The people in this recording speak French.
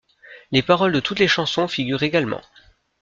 Les paroles de toutes les chansons figurent également.